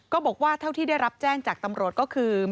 บอกว่าเท่าที่ได้รับแจ้งจากตำรวจก็คือ